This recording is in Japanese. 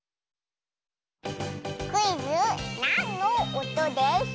クイズ「なんのおとでショウ！」。